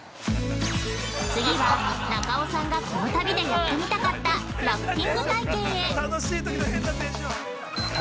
◆次は中尾さんがこの旅でやってみたかったラフティング体験へ。